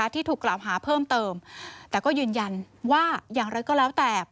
ที่ถูกกล่าวหาเพิ่มเติมแต่ก็ยืนยันว่าอย่างไรก็แล้วแต่